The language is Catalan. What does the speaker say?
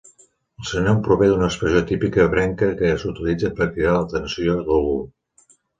El seu nom prové d'una expressió típica ebrenca que s'utilitza per cridar l'atenció d'algú.